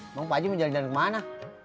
emang pak haji mau jalan jalan kemana